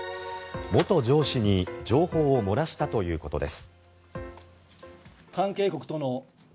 元上司に情報を漏らしたということです。